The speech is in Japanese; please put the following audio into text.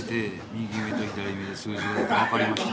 右目と左目で数字がわかりました。